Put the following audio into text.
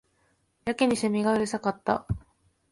やけに蝉がうるさかった